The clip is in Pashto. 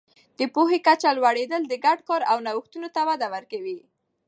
د پوهې کچه لوړېدل د ګډ کار او نوښتونو ته وده ورکوي.